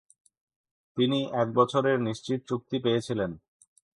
তিনি এক বছরের নিশ্চিত চুক্তি পেয়েছিলেন।